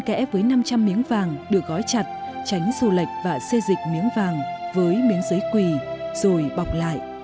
kẽ với năm trăm linh miếng vàng được gói chặt tránh xô lệch và xê dịch miếng vàng với miếng giấy quỳ rồi bọc lại